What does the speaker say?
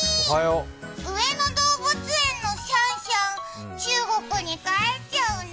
上野動物園のシャンシャン、中国に帰っちゃうね。